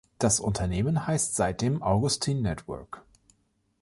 Das Unternehmen heißt seitdem Augustin Network.